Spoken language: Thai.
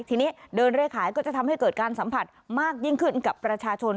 ทีนี้เดินเร่ขายก็จะทำให้เกิดการสัมผัสมากยิ่งขึ้นกับประชาชน